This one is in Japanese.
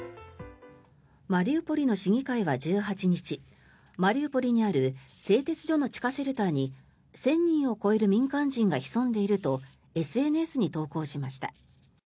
マリウポリの市議会は１８日マリウポリにある製鉄所の地下シェルターに１０００人を超える民間人が潜んでいるとＳＮＳに投稿しました。